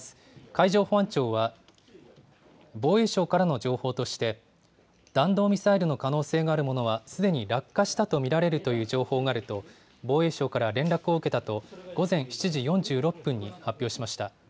海上保安庁は、防衛省からの情報として、弾道ミサイルの可能性のあるものはすでに落下したと見られるという情報があると、防衛省から連絡を受けたと、午前７時４６分に発表しました。